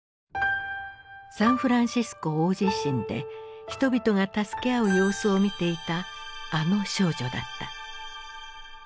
サンフランシスコ大地震で人々が助け合う様子を見ていたあの少女だった。